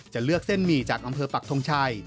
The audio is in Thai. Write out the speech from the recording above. จะเลือกเส้นหมี่จากอำเภอปักทงชัย